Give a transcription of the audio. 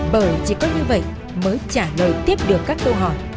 bởi chỉ có như vậy mới trả lời tiếp được các câu hỏi